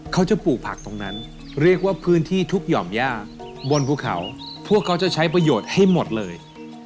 ปลูกผักตรงนั้นเรียกว่าพื้นที่ทุกหย่อมย่าบนภูเขาพวกเขาจะใช้ประโยชน์ให้หมดเลย